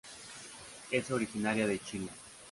Es originaria de Chile.